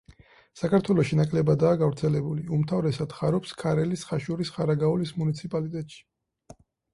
საქართველოში ნაკლებადაა გავრცელებული, უმთავრესად ხარობს ქარელის, ხაშურის, ხარაგაულის მუნიციპალიტეტში.